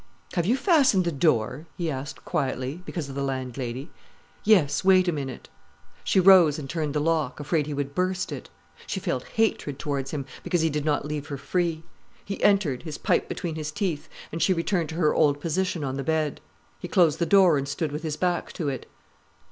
"Have you fastened the door?" he asked quietly, because of the landlady. "Yes. Wait a minute." She rose and turned the lock, afraid he would burst it. She felt hatred towards him, because he did not leave her free. He entered, his pipe between his teeth, and she returned to her old position on the bed. He closed the door and stood with his back to it.